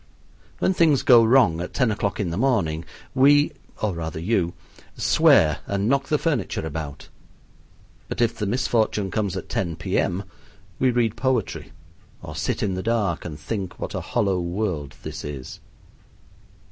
When things go wrong at ten o'clock in the morning we or rather you swear and knock the furniture about; but if the misfortune comes at ten P.M., we read poetry or sit in the dark and think what a hollow world this is.